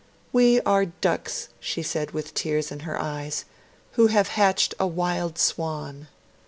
'We are ducks,' she said with tears in her eyes, 'who have hatched a wild swan.'